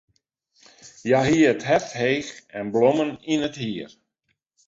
Hja hie it hert heech en blommen yn it hier.